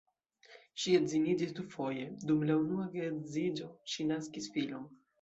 Ŝi edziniĝis dufoje, dum la unua geedziĝo ŝi naskis filon.